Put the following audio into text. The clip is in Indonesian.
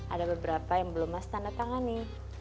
ada beberapa yang belum mas tanda tangani